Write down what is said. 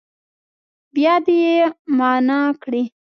بیا دې يې معنا کړي.